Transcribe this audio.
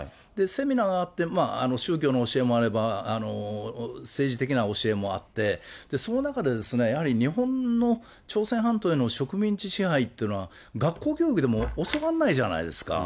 セミナーがあって、宗教の教えもあれば、政治的な教えもあって、その中でですね、やはり日本の朝鮮半島への植民地支配っていうのは、学校教育でも教わらないじゃないですか。